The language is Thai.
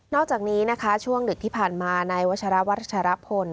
อกจากนี้นะคะช่วงดึกที่ผ่านมาในวัชราวัชรพล